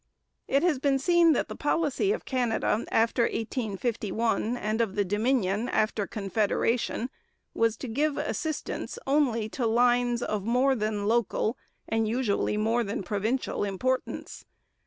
It has been seen that the policy of Canada after 1851 and of the Dominion after Confederation was to give assistance only to lines of more than local and usually more than provincial importance.